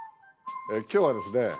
今日はですね